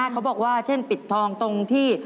เขาบอกว่าเช่นปิดทองตรงที่